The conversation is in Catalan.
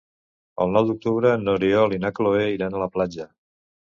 El nou d'octubre n'Oriol i na Cloè iran a la platja.